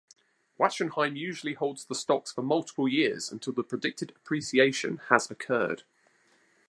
Wachenheim usually holds the stocks for multiple years until the predicted appreciation has occurred.